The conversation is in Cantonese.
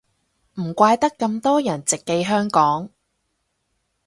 唔怪得咁多人直寄香港